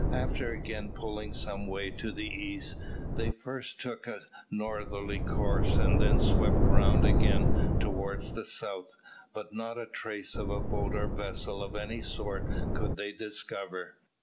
After again pulling some way to the east, they first took a northerly course, and then swept round again towards the south, but not a trace of a boat or vessel of any sort could they discover.